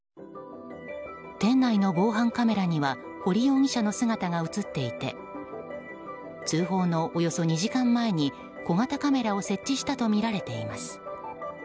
店内の防犯カメラには堀容疑者の姿が映っていて通報のおよそ２時間前に小型カメラを設置したとみられています。